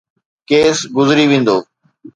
Case گذري ويندو.